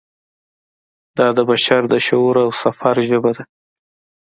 دا د بشر د شعور او سفر ژبه ده.